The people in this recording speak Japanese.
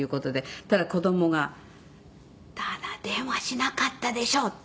そしたら子どもが「ダダ電話しなかったでしょ」って。